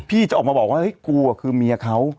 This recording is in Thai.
จะออกมาบอกว่าเฮ้ยกูคือเมียเขา